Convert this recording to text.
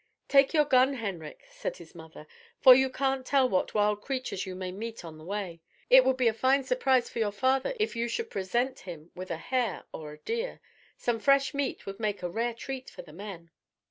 "Take your gun, Henrik," said his mother, "for you can't tell what wild creatures you may meet on the way. It would be a fine surprise for your father if you should present him with a hare or a deer. Some fresh meat would make a rare treat for the men."